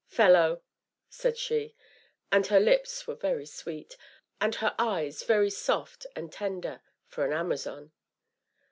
" fellow!" said she. And her lips were very sweet, and her eyes very soft and tender for an Amazon.